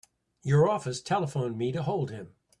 Your office telephoned me to hold him.